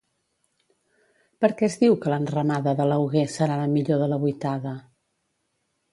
Per què es diu que l'enramada de l'Auguer serà la millor de la vuitada?